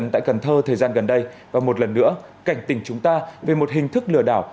tại cần thơ thời gian gần đây và một lần nữa cảnh tỉnh chúng ta về một hình thức lừa đảo